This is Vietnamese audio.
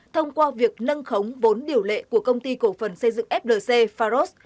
thông qua việc nâng khống vốn điều lệ của công ty cổ phần xây dựng flc pharos